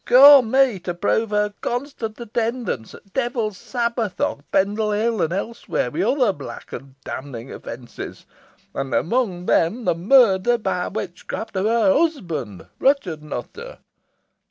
Ca' me to prove her constant attendance at devils' sabbaths on Pendle Hill, and elsewhere, wi' other black and damning offences an among 'em the murder, by witchcraft, o' her husband, Ruchot Nutter."